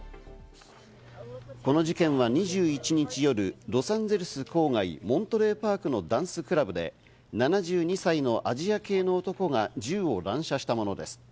この事件は２１日夜、ロサンゼルス郊外モントレーパークのダンスクラブで７２歳のアジア系の男が銃を乱射したものです。